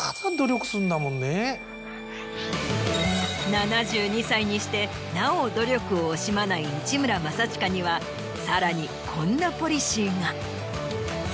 ７２歳にしてなお努力を惜しまない市村正親にはさらにこんなポリシーが。